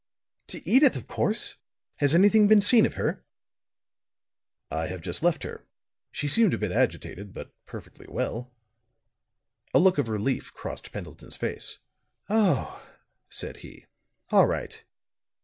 "To Edyth, of course. Has any thing been seen of her?" "I have just left her; she seemed a bit agitated, but perfectly well." A look of relief crossed Pendleton's face. "Oh!" said he. "All right.